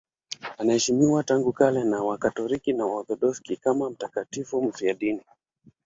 Anaheshimiwa tangu kale na Wakatoliki na Waorthodoksi kama mtakatifu mfiadini.